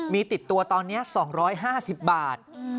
มีติดตัวตอนนี้๒๕๐บาท